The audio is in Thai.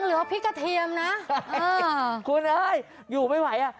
เหลือพริกกระเทียมนะคุณเอ้ยอยู่ไม่ไหวอ่ะ